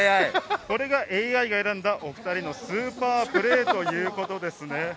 これがＡＩが選んだお２人のスーパープレーです。